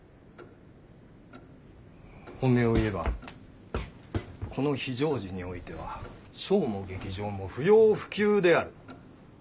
本音を言えばこの非常時においてはショウも劇場も不要不急である。